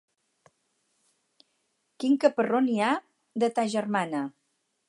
Quin caparró n'hi ha, de ta germana!